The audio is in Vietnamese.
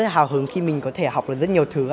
rất là hào hứng khi mình có thể học được rất nhiều thứ